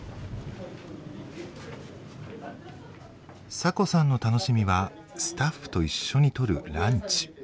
サコさんの楽しみはスタッフと一緒にとるランチ。